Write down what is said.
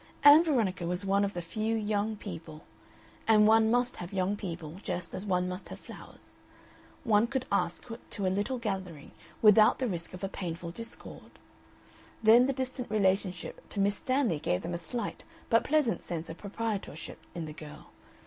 Ann Veronica was one of the few young people and one must have young people just as one must have flowers one could ask to a little gathering without the risk of a painful discord. Then the distant relationship to Miss Stanley gave them a slight but pleasant sense of proprietorship in the girl.